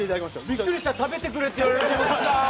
びっくりした、食べてくれって言われるのかと思った。